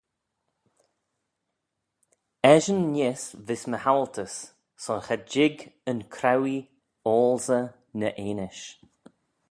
Eshyn neesht vees my haualtys: son cha jig yn crauee-oalsey ny enish.